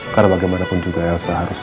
karena bagaimanapun juga elsa harus